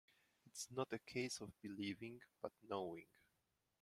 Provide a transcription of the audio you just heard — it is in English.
It's not a case of believing, but knowing.